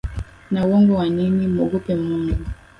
Na uongo wanini? Mwogope Mungu.